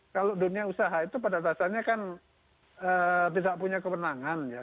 kalau dunia usaha itu pada dasarnya kan bisa punya kewenangan ya